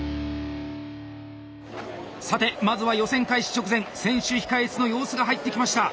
さてまずは予選開始直前選手控え室の様子が入ってきました。